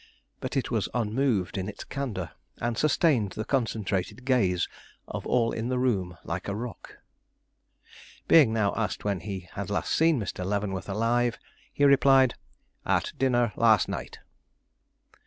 But it was unmoved in its candor, and sustained the concentrated gaze of all in the room like a rock. Being now asked when he had last seen Mr. Leavenworth alive, he replied, "At dinner last night."